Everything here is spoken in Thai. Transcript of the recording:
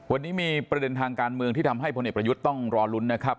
วันนี้มีประเด็นทางการเมืองที่ทำให้พลเอกประยุทธ์ต้องรอลุ้นนะครับ